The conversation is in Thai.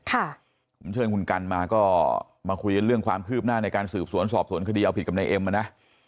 ผมเชิญคุณกันมาก็มาคุยกันเรื่องความคืบหน้าในการสืบสวนสอบสวนคดีเอาผิดกับนายเอ็มมานะ